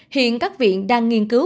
hiện các viện đang nghiên cứu